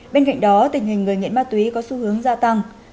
bên cạnh đó tình hình người nghiện ma túy có xu hướng gia tăng